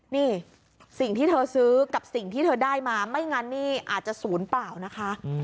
นี่สิ่งที่เธอซื้อกับสิ่งที่เธอได้มาไม่งั้นนี่อาจจะศูนย์เปล่านะคะ